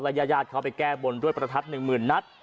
ญาติเขาไปแก้บนด้วยประทัด๑๐๐๐นัด